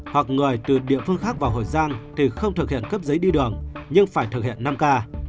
hoặc người từ địa phương khác vào hồ giang thì không thực hiện cấp giấy đi đường nhưng phải thực hiện năm k